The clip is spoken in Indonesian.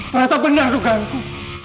ternyata benar dugaanku